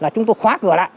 chúng tôi khóa cửa lại